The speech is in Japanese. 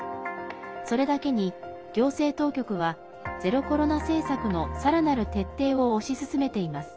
それだけに、行政当局はゼロコロナ政策のさらなる徹底を推し進めています。